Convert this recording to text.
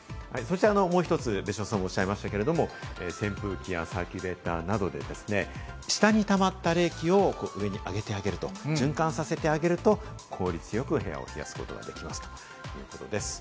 もう一つ別所さんがおっしゃいましたけれども、扇風機やサーキュレーターなどで、下に溜まった冷気を上に上げてあげる、循環させてあげると効率よく部屋を冷やすことができるということです。